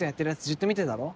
じっと見てたろ？